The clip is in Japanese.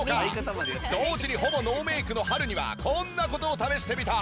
同時にほぼノーメイクのはるにはこんな事を試してみた。